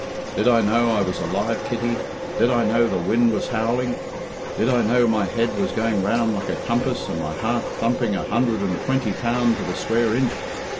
Did I know I was alive, Kitty? Did I know the wind was howling? Did I know my head was going round like a compass, and my heart thumping a hundred and twenty pound to the square inch?